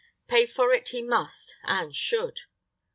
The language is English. Pay for it he must and should.